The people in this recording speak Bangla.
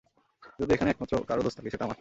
যদি এখানে একমাত্র কারো দোষ থেকে থাকে, সেটা আমার।